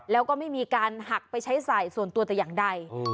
แล้วก็ไม่มีการหักไปใช้ใส่ส่วนตัวแต่อย่างใด